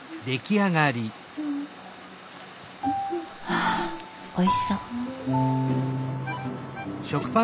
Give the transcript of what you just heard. わあおいしそう。